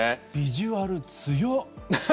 ビジュアル強！